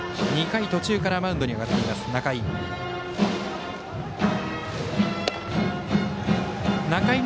２回途中からマウンドに上がっている仲井。